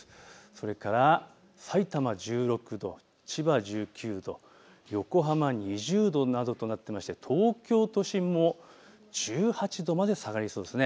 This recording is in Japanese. それからさいたま１６度、千葉１９度、横浜２０度などとなっていまして東京都心も１８度まで下がりそうです。